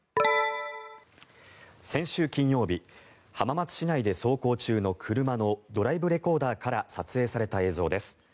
先週金曜日浜松市内で走行中の車のドライブレコーダーから撮影された映像です。